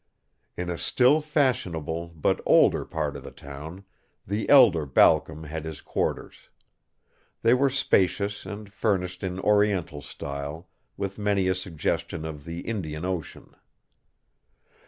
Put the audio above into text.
In a still fashionable, but older, part of the town, the elder Balcom had his quarters. They were spacious and furnished in Oriental style, with many a suggestion of the Indian Ocean.